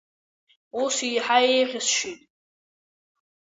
Ус еиҳа еиӷьысшьеит.